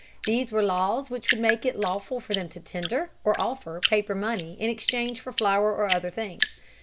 These were laws which would make it lawful for them to tender, or offer, paper money in exchange for flour or other things.